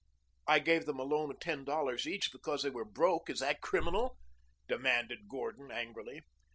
"I gave them a loan of ten dollars each because they were broke. Is that criminal?" demanded Gordon angrily.